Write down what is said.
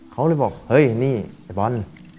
เขาเลยบอกเฮ้ยนี่ไอ้บอล